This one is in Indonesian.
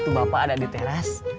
itu bapak ada di teras